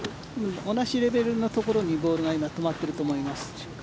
同じレベルのところにボールが今、止まっていると思います。